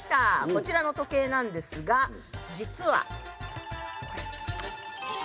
こちらの時計なんですが実はこれ。